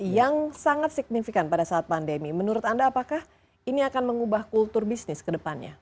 yang sangat signifikan pada saat pandemi menurut anda apakah ini akan mengubah kultur bisnis ke depannya